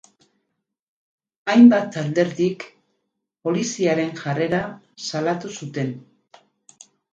Hainbat alderdik Poliziaren jarrera salatu zuten.